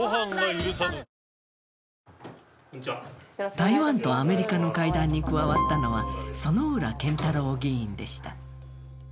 台湾とアメリカの会談に加わったのは薗浦健太郎議員でした。